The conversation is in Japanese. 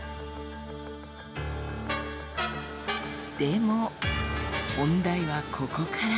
でも本題はここから。